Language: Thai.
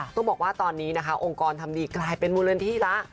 ต้องบอกว่าตอนนี้นะคะองค์กรทำหนีกลายเป็นมูลเรียนที่แล้ว